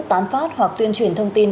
tán phát hoặc tuyên truyền thông tin